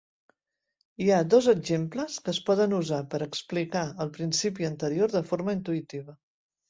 Hi ha dos exemples que es poden usar per explicar el principi anterior de forma intuïtiva.